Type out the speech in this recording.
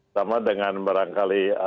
sama dengan barangkali